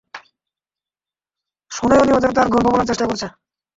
সুনয়নী ওদের তার গল্প বলার চেষ্টা করেছে।